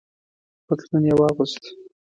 پتلون یې واغوست.